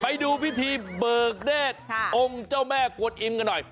ไปดูพิธีเบิกเนธองค์เจ้าแม่กวนอิมกันหน่อย